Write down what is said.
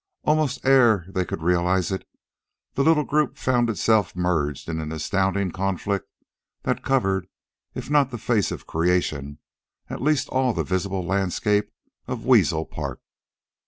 Almost ere they could realize it, the little group found itself merged in the astounding conflict that covered, if not the face of creation, at least all the visible landscape of Weasel Park.